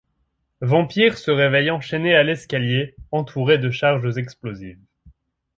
Vampir se réveille enchaîné à l'escalier, entouré de charges explosives.